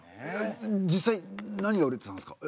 実際何が売れてたんですか？